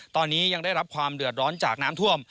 ตอนนี้ยังได้รับความเดือดร้อนจากน้ำท่วม